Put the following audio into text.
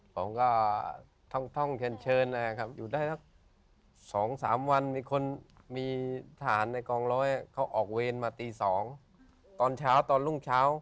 ผมก็ท่องเชิญนะครับอยู่ได้สัก๒๓วันมีคนมีทหารในกองร้อยเขาออกเวรมาตี๒ตอนเช้าตอนรุ่งเช้า